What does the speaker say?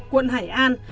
quận hải an